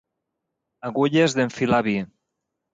Agulles d'enfilar vi.